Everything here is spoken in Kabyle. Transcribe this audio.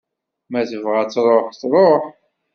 Ma tebɣa ad tṛuḥ, tṛuḥ.